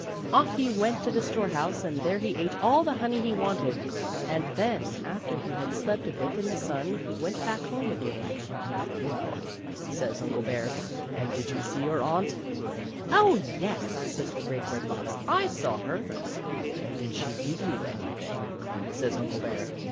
Off he went to the storehouse, and there he ate all the honey he wanted, and then, after he had slept a bit in the sun, he went back home again. " Well," says Uncle Bear, " and did you see your aunt?" " Oh, yes," says the Great Red Fox, " I saw her." " And did she give you anything?" says Uncle Bear.